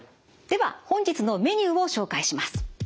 では本日のメニューを紹介します。